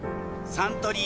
サントリー